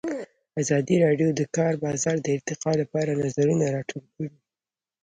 ازادي راډیو د د کار بازار د ارتقا لپاره نظرونه راټول کړي.